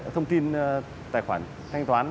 thông tin tài khoản thanh toán